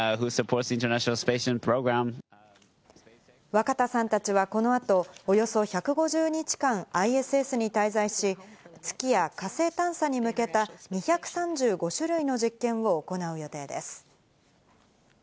若田さんたちはこの後、およそ１５０日間ＩＳＳに滞在し、月や火星探査に向けた２３５種類の実験を行う予定です。